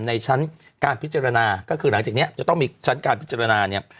ในชั้นการพิจารณาก็คือหลังจากนี้จะต้องมีชั้นการพิจารณาเนี่ย